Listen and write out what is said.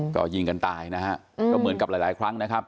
ก็ยิงกันตายนะฮะก็เหมือนกับหลายครั้งนะครับ